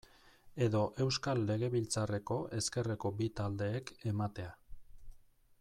Edo Eusko Legebiltzarreko ezkerreko bi taldeek ematea.